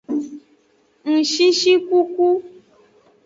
Ngshishikuku.